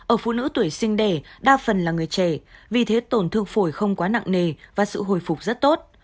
ở phụ nữ tuổi sinh đẻ đa phần là người trẻ vì thế tổn thương phổi không quá nặng nề và sự hồi phục rất tốt